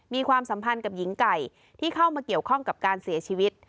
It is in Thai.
ความสัมพันธ์กับหญิงไก่ที่เข้ามาเกี่ยวข้องกับการเสียชีวิต